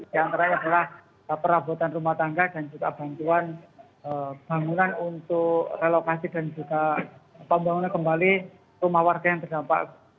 yang terakhir adalah perabotan rumah tangga dan juga bantuan bangunan untuk relokasi dan juga pembangunan kembali rumah warga yang terdampak